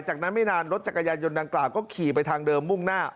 จากนั้นไม่นานรถจักรยานยนต์ดังกล่าวก็ขี่ไปทางเดิมมุ่งหน้า